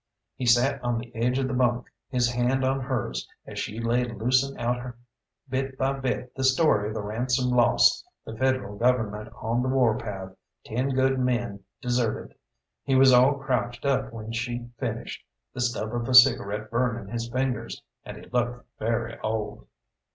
He sat on the edge of the bunk, his hand on hers, as she lay loosing out bit by bit the story of the ransom lost, the Federal Government on the warpath, ten good men deserted. He was all crouched up when she finished, the stub of a cigarette burning his fingers, and he looked very old.